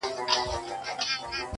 په دوږخ کي هم له تاسي نه خلاصېږو.!.!